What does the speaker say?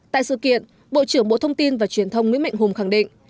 tại sự kiện bộ trưởng bộ thông tin và truyền thông nguyễn mạnh hùng khẳng định